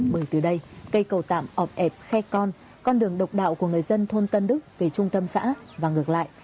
bởi từ đây cây cầu tạm ọp hẹp khe con con đường độc đạo của người dân thôn tân đức về trung tâm xã và ngược lại